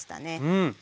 うん！